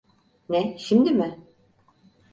Ne, şimdi mi?